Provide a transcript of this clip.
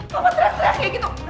kamu teriak teriak kayak gitu